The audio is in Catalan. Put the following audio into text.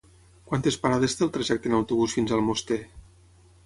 Quantes parades té el trajecte en autobús fins a Almoster?